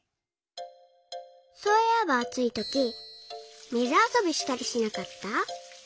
そういえばあついとき水あそびしたりしなかった？